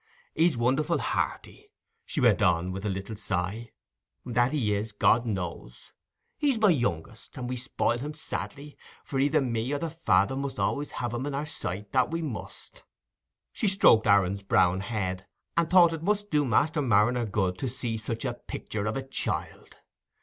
He's wonderful hearty," she went on, with a little sigh—"that he is, God knows. He's my youngest, and we spoil him sadly, for either me or the father must allays hev him in our sight—that we must." She stroked Aaron's brown head, and thought it must do Master Marner good to see such a "pictur of a child".